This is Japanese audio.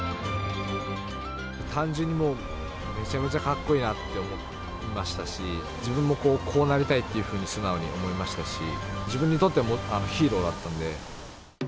単純にもう、めちゃめちゃかっこいいなって思いましたし、自分もこう、こうなりたいっていうふうに素直に思いましたし、自分にとってヒーローだったんで。